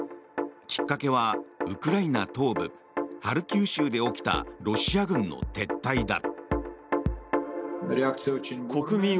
きっかけはウクライナ東部ハルキウ州で起きたロシア軍の撤退だ。